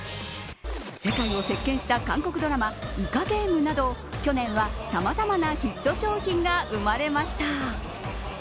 世界を席巻した韓国ドラマイカゲームなど、去年はさまざまなヒット商品が生まれました。